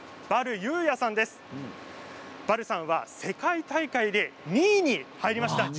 バルさんは世界大会で２位に入りました。